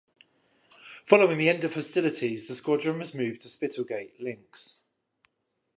Following the end of hostilities the squadron was moved to Spitalgate, Lincs.